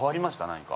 何か。